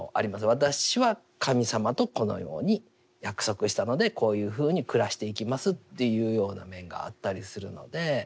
私は神様とこのように約束したのでこういうふうに暮らしていきますというような面があったりするので。